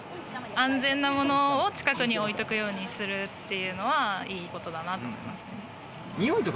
安全なものを近くに置いておくっていうのはいいことだなと思います。